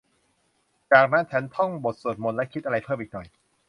และจากนั้นฉันท่องบทสวดมนต์และคิดอะไรเพิ่มอีกหน่อย